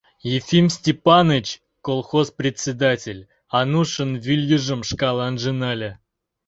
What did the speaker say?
Ефим Степаныч, колхоз председатель, Анушын вӱльыжым шкаланже нале.